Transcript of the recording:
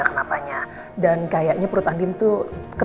kenapanya dan kayaknya perut andin tuh